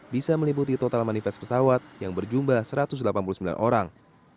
bisa meliputi total manifest pesawat yang berjumlah satu ratus delapan puluh sembilan orang